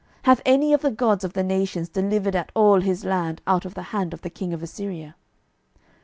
12:018:033 Hath any of the gods of the nations delivered at all his land out of the hand of the king of Assyria?